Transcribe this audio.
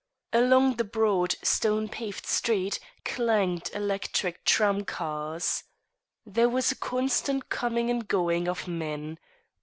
Along the broad, stone paved street clanged electric tramcars. There was a constant coming and going of men.